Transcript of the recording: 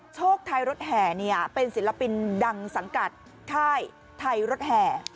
โชคไทยรถแห่เป็นศิลปินดังสังกัดค่ายไทยรถแห่